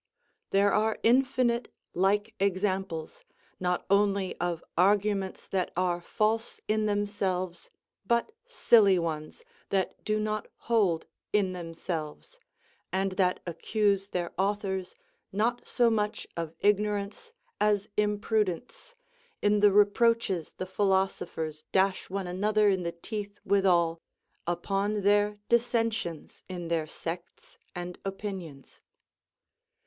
There are infinite like examples, not only of arguments that are false in themselves, but silly ones, that do not hold in themselves, and that accuse their authors not so much of ignorance as imprudence, in the reproaches the philosophers dash one another in the teeth withal, upon their dissensions in their sects and opinions.